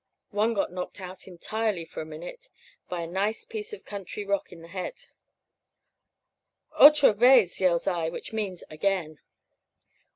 One got knocked out entirely for a minute, by a nice piece of country rock in the head. "'Otra vez!' yells I, which means 'again.'